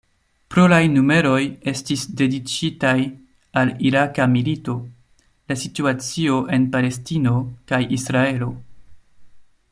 Pluraj numeroj estis dediĉitaj al Iraka milito, la situacio en Palestino kaj Israelo.